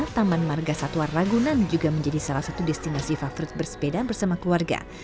taman marga satwa ragunan juga menjadi salah satu destinasi favorit bersepeda bersama keluarga